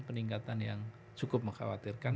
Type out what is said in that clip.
peningkatan yang cukup mengkhawatirkan